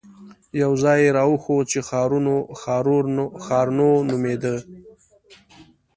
يو ځاى يې راوښود چې ښارنو نومېده.